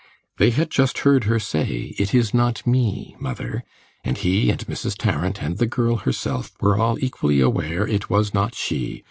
They had just heard her say, "It is not me, mother," and he and Mrs. Tarrant and the girl herself were all equally aware it was not she.